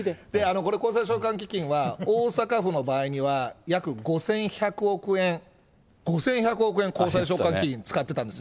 これ、公債償還基金は、大阪府の場合には、約５１００億円、５１００億円、公債償還基金、使ってたんです。